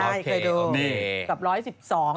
กับ๑๑๒